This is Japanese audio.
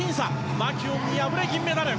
マキュオンに敗れ、銀メダル。